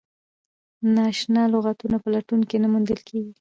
نا اشنا لغتونه په لټون کې نه موندل کیږي.